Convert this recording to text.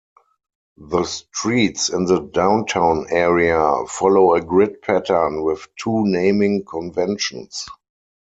The streets in the downtown area follow a grid pattern with two naming conventions.